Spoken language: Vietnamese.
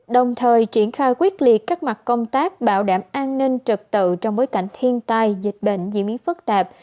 đồng thời triển khai quyết liệt các mặt công tác bảo đảm an ninh trật tự trong bối cảnh thiên tai dịch bệnh diễn biến phức tạp